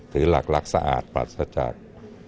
ถือหลักสะอาดปรัสชาติ